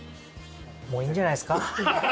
もういいんじゃないですか？